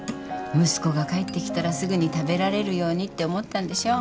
息子が帰ってきたらすぐに食べられるようにって思ったんでしょ。